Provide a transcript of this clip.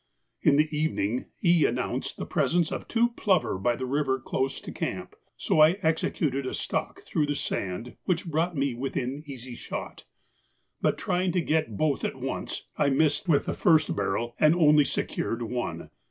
In the evening E. announced the presence of two plover by the river close to camp, so I executed a stalk through the sand which brought me within easy shot, but trying to get both at once, I missed with the first barrel and only secured one.